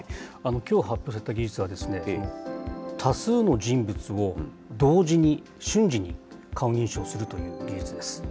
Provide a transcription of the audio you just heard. きょう発表された技術は、多数の人物を同時に瞬時に、顔認証するという技術です。